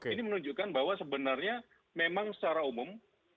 ini menunjukkan bahwa sebenarnya memang secara umum